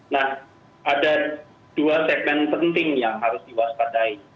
nah ada dua segmen penting yang harus diwaspadai